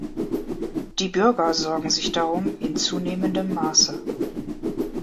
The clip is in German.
Die Bürger sorgen sich darum in zunehmendem Maße.